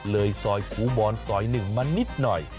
เลยซอยคูบอนซอยหนึ่งมานิดหน่อย